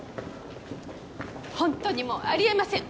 ホントにもうあり得ません！